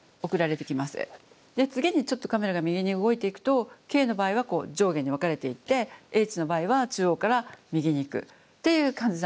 で次にちょっとカメラが右に動いていくとＫの場合は上下に分かれていってＨの場合は中央から右に行くっていう感じなんですね。